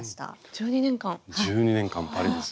１２年間パリですよ。